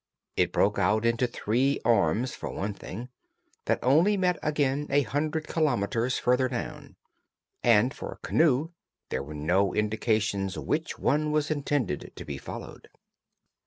It broke out into three arms, for one thing, that only met again a hundred kilometers farther down, and for a canoe there were no indications which one was intended to be followed.